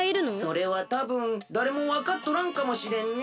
それはたぶんだれもわかっとらんかもしれんね。